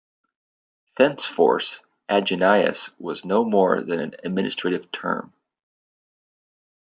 Thenceforth Agenais was no more than an administrative term.